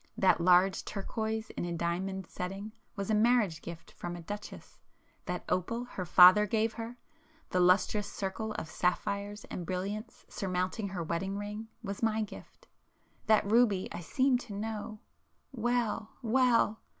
That large turquoise in a diamond setting was a marriage gift from a [p 394] duchess,—that opal her father gave her,—the lustrous circle of sapphires and brilliants surmounting her wedding ring was my gift,—that ruby I seemed to know,——well, well!